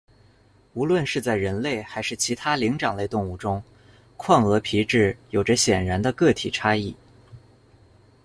无论是在人类还是其他灵长类动物中，眶额皮质有着显然的个体差异。